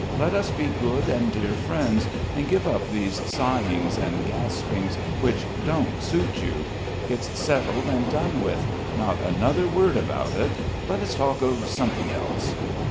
Let us be good and dear friends, and give up these sighings and gaspings which don't suit you. It's settled and done with! Not another word about it. Let us talk of something else!"